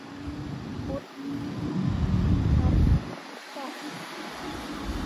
พุทธัสสะ